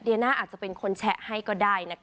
น่าอาจจะเป็นคนแชะให้ก็ได้นะคะ